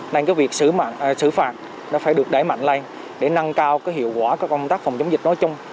nên việc xử phạt nó phải được đáy mạnh lên để nâng cao hiệu quả các công tác phòng chống dịch nói chung